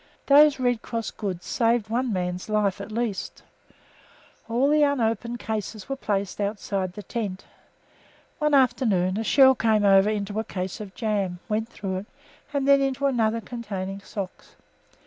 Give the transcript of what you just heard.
Those Red Cross goods saved one man's life at least. All the unopened cases were placed outside the tent. One afternoon a shell came over into a case of jam, went through it, and then into another containing socks.